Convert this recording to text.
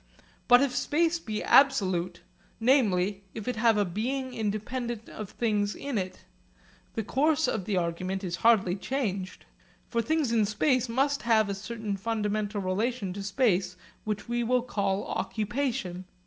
But if space be absolute namely, if it have a being independent of things in it the course of the argument is hardly changed. For things in space must have a certain fundamental relation to space which we will call occupation.